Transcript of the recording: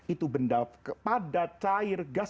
itu benda pada cair gas